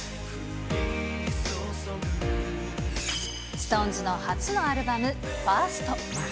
ＳｉｘＴＯＮＥＳの初のアルバム、１ＳＴ。